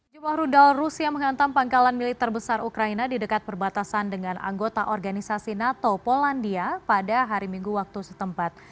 jumlah rudal rusia menghantam pangkalan militer besar ukraina di dekat perbatasan dengan anggota organisasi nato polandia pada hari minggu waktu setempat